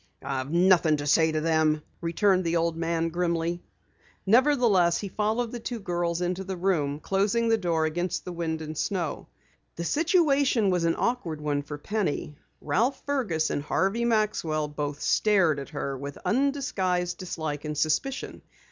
"I've nothing to say to them," returned the old man grimly. Nevertheless, he followed the two girls into the room, closing the door against the wind and snow. The situation was an awkward one for Penny. Ralph Fergus and Harvey Maxwell both stared at her with undisguised dislike and suspicion.